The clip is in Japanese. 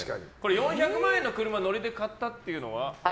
４００万円の車をノリで買ったというのは？